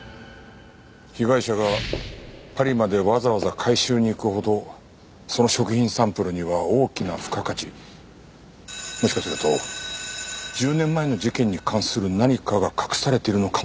被害者がパリまでわざわざ回収に行くほどその食品サンプルには大きな付加価値もしかすると１０年前の事件に関する何かが隠されてるのかもしれない。